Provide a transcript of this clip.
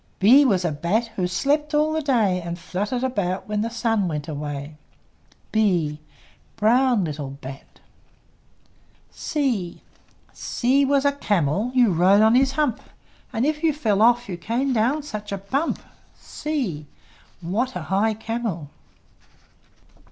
B B was a bat, Who slept all the day, And fluttered about When the sun went away. b! Brown little bat! C C was a camel: You rode on his hump; And if you fell off, You came down such a bump! c! What a high camel!